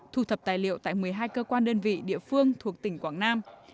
thu thập tài liệu tại một mươi hai cơ quan đơn vị địa phương thuộc tỉnh quảng nam